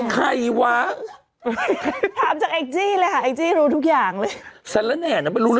ใครล่ะ